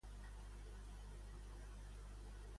Què feia el freu aterridor?